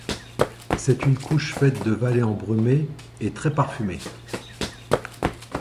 C'est une couche faite de vallées embrumées et très parfumées.